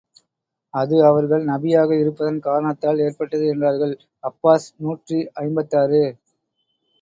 அது அவர்கள் நபியாக இருப்பதன் காரணத்தால் ஏற்பட்டது என்றார்கள் அப்பாஸ் நூற்றி ஐம்பத்தாறு.